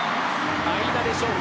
間でしょうか。